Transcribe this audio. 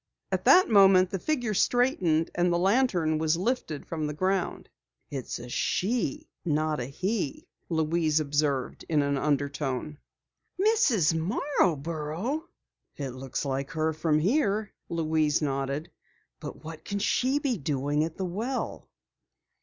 At that moment the figure straightened, and the lantern was lifted from the ground. "It's a she, not a he!" Louise observed in an undertone. "Mrs. Marborough!" "It looks like her from here," Louise nodded. "But what can she be doing at the well?"